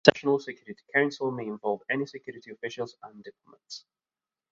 A session of the National Security Council may involve any security officials and diplomats.